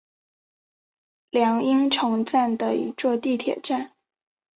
凉荫丛站的一座地铁站。